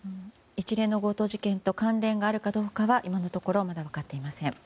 一連の強盗事件と関連があるかどうかは今のところまだ分かっていません。